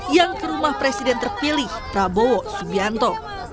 yang ke rumah presiden terpilih prabowo subianto